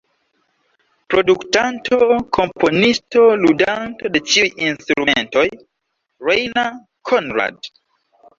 Produktanto, komponisto, ludanto de ĉiuj instrumentoj: Rainer Conrad.